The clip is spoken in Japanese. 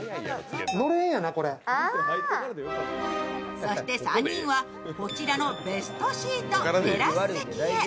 そして３人は、こちらのベストシートテラス席へ。